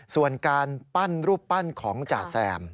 ส่วนการปั้นรูปปั้นของจ่าแซม